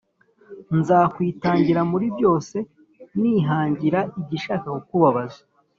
nzakwitangira muri byose nihangira igishaka kukubabaza